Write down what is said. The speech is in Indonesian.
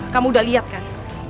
kamu udah lihat kan